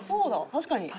確かに。